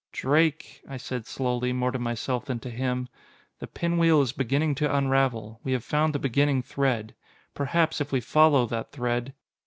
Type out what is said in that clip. "Drake," I said slowly, more to myself than to him, "the pinwheel is beginning to unravel. We have found the beginning thread. Perhaps, if we follow that thread...."